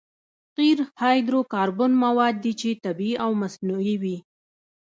قیر هایدرو کاربن مواد دي چې طبیعي او مصنوعي وي